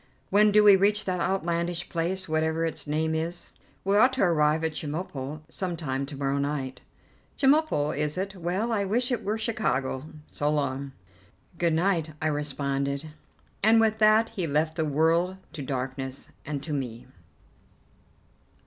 When do we reach that outlandish place, whatever its name is?" "We ought to arrive at Chemulpo some time to morrow night." "Chemulpo, is it? Well, I wish it was Chicago. So long." "Good night," I responded, and with that he left the world to darkness and to me.